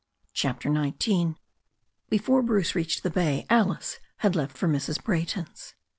CHAPTER XIX BEFORE Bruce reached the bay Alice had left for Mrs. Brajrton's.